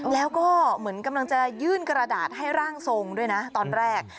แล้วก็เหมือนกำลังจะยื่นกระดาษให้ร่างทรงด้วยนะตอนแรก